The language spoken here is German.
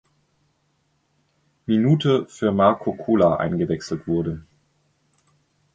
Minute für Marko Kolar eingewechselt wurde.